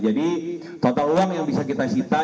jadi total uang yang bisa kita cita